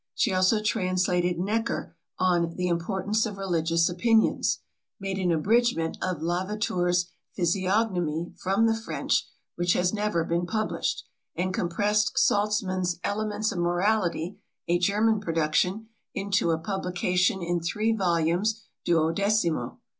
She also translated Necker on the Importance of Religious Opinions; made an abridgment of Lavater's Physiognomy, from the French, which has never been published; and compressed Salzmann's Elements of Morality, a German production, into a publication in three volumes duodecimo.